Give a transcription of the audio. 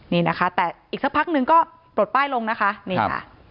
นี่นะคะแต่อีกสักพักนึงก็ปลดป้ายลงนะคะนี่ค่ะ